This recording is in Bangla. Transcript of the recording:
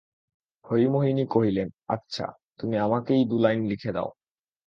হরিমোহিনী কহিলেন, আচ্ছা, তুমি আমাকেই দু-লাইন লিখে দাও।